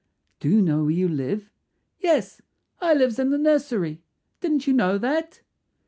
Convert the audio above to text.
"Do you know where you live?" "Yes; I lives in the nursery. Didn't you know that?"